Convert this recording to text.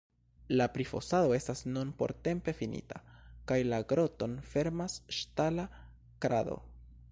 La prifosado estas nun portempe finita, kaj la groton fermas ŝtala krado.